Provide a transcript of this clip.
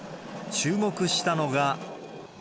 注目したのが。